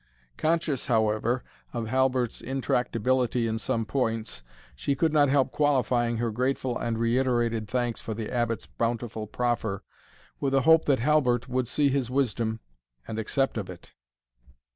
Conscious, however, of Halbert's intractability in some points, she could not help qualifying her grateful and reiterated thanks for the Abbot's bountiful proffer, with a hope that Halbert would see his wisdom, and accept of it.